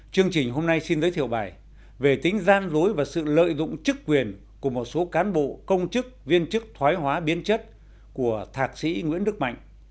chương trình hôm nay xin giới thiệu bài về tính gian dối và sự lợi dụng chức quyền của một số cán bộ công chức viên chức thoái hóa biến chất của thạc sĩ nguyễn đức mạnh